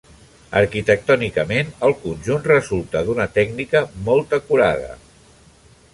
Arquitectònicament, el conjunt resulta d'una tècnica molt acurada.